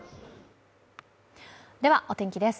ではお天気です。